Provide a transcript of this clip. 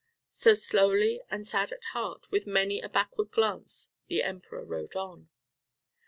So slowly and sad at heart, with many a backward glance, the Emperor rode on.